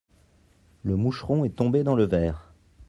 le moucheron est tombé dans le verre.